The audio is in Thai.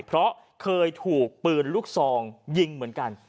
เพราะเคยถูกปืนลูกซองยิงเหมือนกัน